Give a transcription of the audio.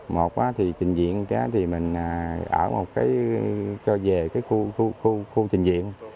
một là trình diện thì mình ở một cái cho về cái khu trình diện